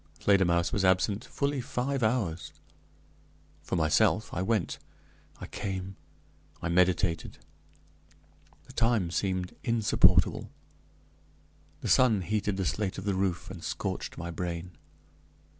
Fledermausse was absent fully five hours. For myself, I went, I came, I meditated. The time seemed insupportable. The sun heated the slate of the roof, and scorched my brain.